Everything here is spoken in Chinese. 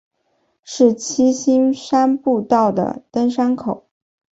是七星山步道的登山口。